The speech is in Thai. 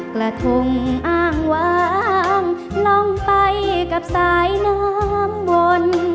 กระทงอ้างวางลองไปกับสายน้ำวน